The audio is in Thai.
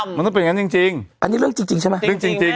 มันต้องเป็นอย่างนั้นจริงอันนี้เรื่องจริงใช่ไหมเรื่องจริง